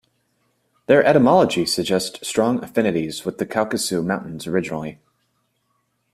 Their etymology suggests strong affinities with the Caucasos Mountains originally.